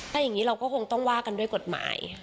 ถ้าอย่างนี้เราก็คงต้องว่ากันด้วยกฎหมาย